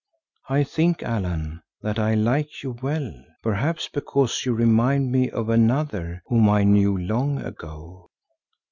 I think, Allan, that I like you well, perhaps because you remind me of another whom I knew long ago."